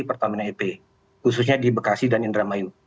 pertama ini ep khususnya di bekasi dan indra mayu